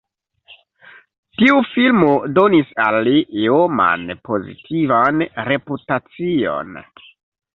Tiu filmo donis al li ioman pozitivan reputacion.